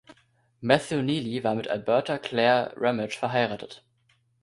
Matthew Neely war mit Alberta Claire Ramage verheiratet.